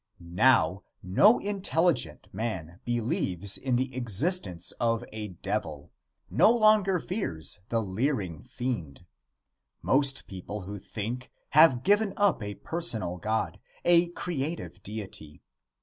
Now no intelligent man believes in the existence of a devil no longer fears the leering fiend. Most people who think have given up a personal God, a creative deity.